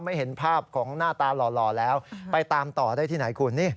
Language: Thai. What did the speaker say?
เห็นภาพของหน้าตาหล่อแล้วไปตามต่อได้ที่ไหนคุณ